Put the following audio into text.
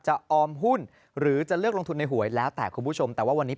จะออมหุ้นหรือจะเลือกลงทุนในหวยแล้วแต่คุณผู้ชม